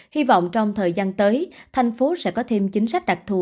hy vọng trong thời gian tới thành phố sẽ có thêm chính sách đặc thù